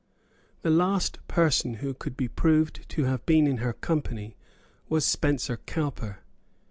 The last person who could be proved to have been in her company was Spencer Cowper.